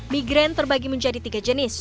migran terbagi menjadi tiga jenis